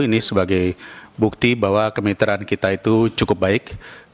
ini sebagai bukti bahwa kemitraan kita itu cukup baik